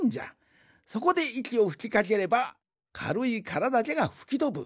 そこでいきをふきかければかるいカラだけがふきとぶ。